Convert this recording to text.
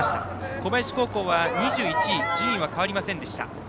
小林高校は２１位順位は変わりません。